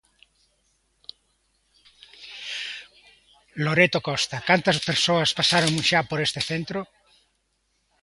Loreto Costa, cantas persoas pasaron xa por ese centro?